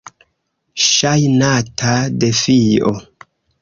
Ŝajnata defio.